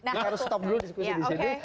kita harus stop dulu diskusi disini